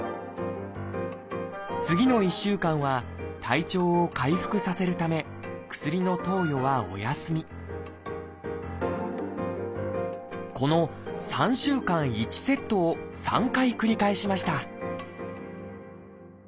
次の１週間は体調を回復させるため薬の投与はお休みこの３週間１セットを３回繰り返しました